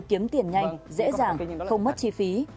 kiếm tiền nhanh dễ dàng không mất chi phí